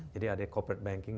jadi ada corporate banking